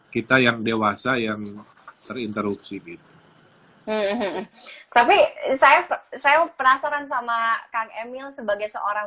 kita yang dewasa yang terinterupsi gitu tapi saya saya penasaran sama kang emil sebagai seorang